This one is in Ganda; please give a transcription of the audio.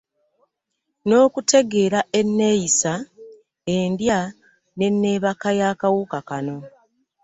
N'okutegeera enneeyisa, endya n'enneebaka ya kawuka kano.